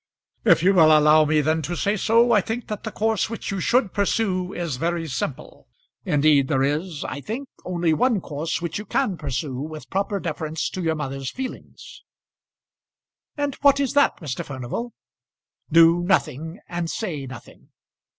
"If you will allow me then to say so, I think that the course which you should pursue is very simple. Indeed there is, I think, only one course which you can pursue with proper deference to your mother's feelings." "And what is that, Mr. Furnival?" "Do nothing, and say nothing.